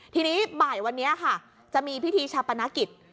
ทีนี้บ่ายวันนี้ค่ะจะมีพิธีชาปนกิจ